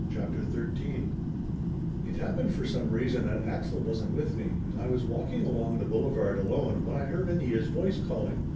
CHAPTER XIII IT happened for some reason that Axel wasn't with me, and I was walking along the boulevard alone when I heard Anita's voice calling.